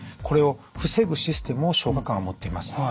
これを防ぐシステムを消化管は持っています。